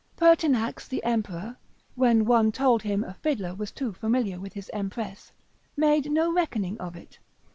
Pertinax the Emperor, when one told him a fiddler was too familiar with his empress, made no reckoning of it.